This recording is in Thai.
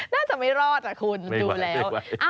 น่าจะไม่รอดคุณดูแล้ว